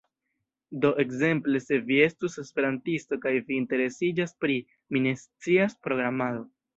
Do ekzemple, se vi estus esperantisto kaj vi interesiĝas pri, mi ne scias, programado